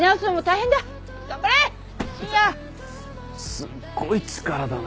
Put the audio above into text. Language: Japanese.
すっごい力だな。